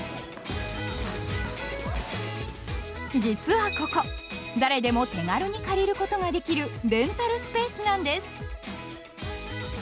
実はここ誰でも手軽に借りることができるレンタルスペースなんです。